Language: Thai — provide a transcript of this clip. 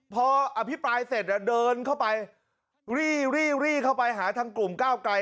พออภิปรายเสร็จเดินเข้าไปรี่เข้าไปหาทางกลุ่มก้าวไกล